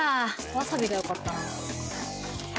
わさびがよかったな。